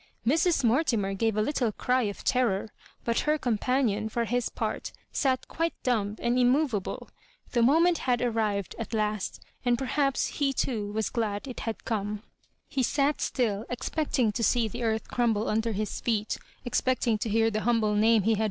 Mrs. Mortimer gave a little cry of ter ror, but her companion, for his part^ sat quite dumb and immovable. The moment had arrived at last, and perhaps he too was glad it had come. He sat still, expecting to see the earth crumble under his fee<^ expecting to hear the humble name he had